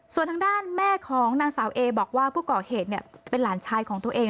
ส่วนทางด้านแม่ของนางสาวเอบอกว่าผู้ก่อเหตุเป็นหลานชายของตัวเอง